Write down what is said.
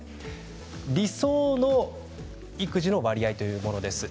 理想の育児の割合というものです。